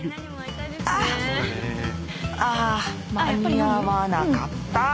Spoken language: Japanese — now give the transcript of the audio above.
あっあぁ間に合わなかったぁ！